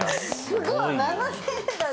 すごい。